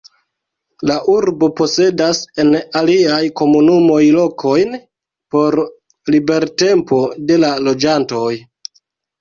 La urbo posedas en aliaj komunumoj lokojn por libertempo de la loĝantoj.